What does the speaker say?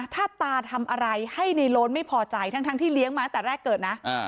ถ้าตาทำอะไรให้ในโล้นไม่พอใจทั้งที่เลี้ยงมาตั้งแต่แรกเกิดนะ